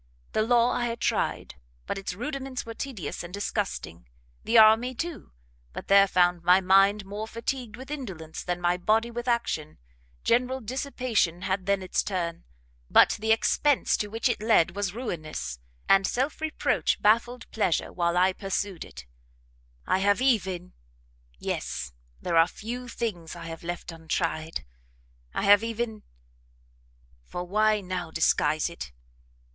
The law I had tried, but its rudiments were tedious and disgusting; the army, too, but there found my mind more fatigued with indolence, than my body with action; general dissipation had then its turn, but the expence to which it led was ruinous, and self reproach baffled pleasure while I pursued it; I have even yes, there are few things I have left untried, I have even, for why now disguise it?